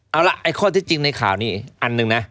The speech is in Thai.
เอาล่ะไอ้ข้อที่จริงในข่าวนี้อันหนึ่งนะ